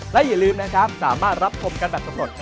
และอย่าลืมนะครับสามารถรับชมกันแบบสำรวจ